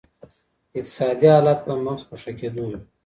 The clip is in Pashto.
اقتصادي حالت به مخ په ښه کېدو وي.